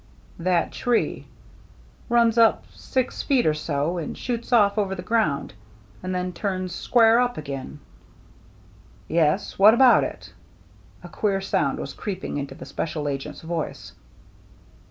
1* "That tree — runs up six feet or so, and shoots oflf over the ground, and then turns square up again." " Yes. What about it ?" A queer sound was creeping into the special agent's voice.